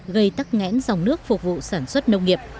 gây tắc ngẽn dòng nước phục vụ sản xuất nông nghiệp